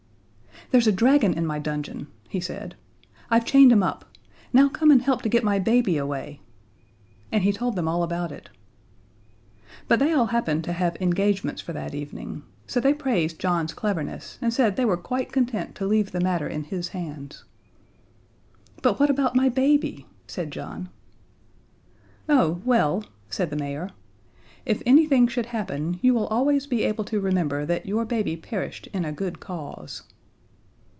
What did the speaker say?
"There's a dragon in my dungeon," he said; "I've chained him up. Now come and help to get my baby away." And he told them all about it. But they all happened to have engagements for that evening; so they praised John's cleverness, and said they were quite content to leave the matter in his hands. "But what about my baby?" said John. "Oh, well," said the mayor, "if anything should happen, you will always be able to remember that your baby perished in a good cause."